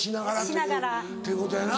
しながら。ということやな。